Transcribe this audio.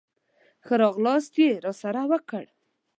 ښه راغلاست یې راسره وکړ.